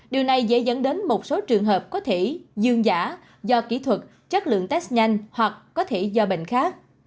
điều này dễ dẫn đến một số trường hợp có thể dương giả do kỹ thuật chất lượng test nhanh hoặc có thể do bệnh khác